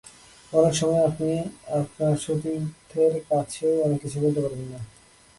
অনেক সময় আপনি আপনার সতীর্থের কাছেও অনেক কিছু বলতে পারবেন না।